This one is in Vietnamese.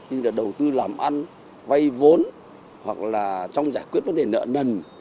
như là đầu tư làm ăn vay vốn hoặc là trong giải quyết vấn đề nợ nần